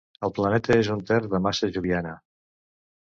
El planeta és un terç de massa joviana.